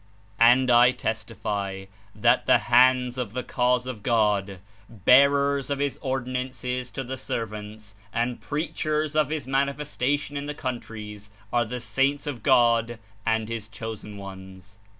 And I testify that the hands of the Cause of God, bearers of His Ordinances to the servants and preach ers of His Manifestation in the countries, are the saints of God and His chosen ones.